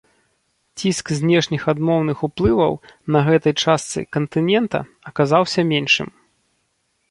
Ціск знешніх адмоўных уплываў на гэтай частцы кантынента аказаўся меншым.